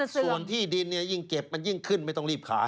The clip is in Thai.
ส่วนที่ดินยิ่งเก็บมันยิ่งขึ้นไม่ต้องรีบขาย